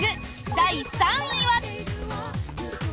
第３位は。